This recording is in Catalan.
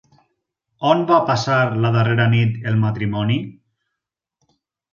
On va passar la darrera nit el matrimoni?